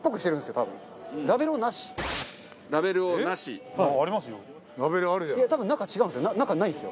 多分中違うんですよ。